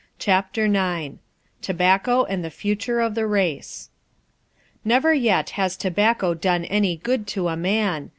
CHAPTER IX TOBACCO AND THE FUTURE OF THE RACE Never yet has tobacco done any good to a man.